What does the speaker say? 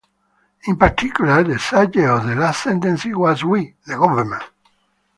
In particular, the subject of the last sentence was we, the government.